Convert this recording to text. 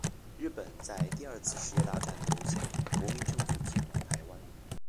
日本在第二次世界大战投降，国民政府接管台湾。